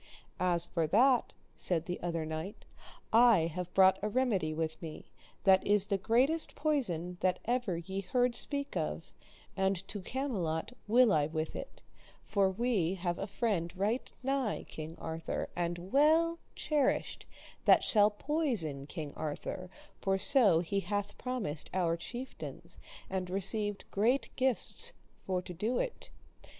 As for that, said the other knight, I have brought a remedy with me, that is the greatest poison that ever ye heard speak of, and to Camelot will I with it, for we have a friend right nigh King Arthur, and well cherished, that shall poison King Arthur; for so he hath promised our chieftains, and received great gifts for to do it.